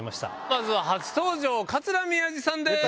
まずは初登場桂宮治さんです。